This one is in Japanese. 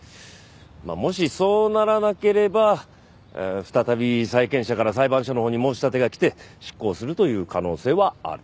まあもしそうならなければ再び債権者から裁判所のほうに申し立てが来て執行するという可能性はある。